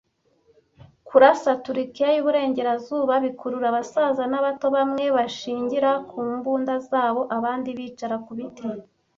Kurasa-turkiya yuburengerazuba bikurura abasaza nabato, bamwe bashingira ku mbunda zabo, abandi bicara ku biti,